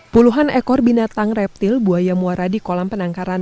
puluhan ekor binatang reptil buaya muara di kolam penangkaran